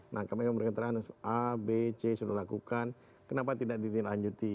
nah kami memberi keterangan a b c sudah lakukan kenapa tidak di lanjuti